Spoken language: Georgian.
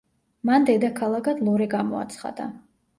მან დედაქალაქად ლორე გამოაცხადა.